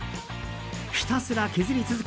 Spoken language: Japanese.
ひたすら削り続け